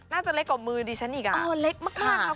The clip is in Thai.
น่าจะเล็กกว่ามือดีฉันอีก